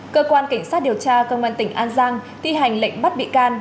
cơ quan cảnh sát điều tra công an tp huế tị hành lệnh bắt bị can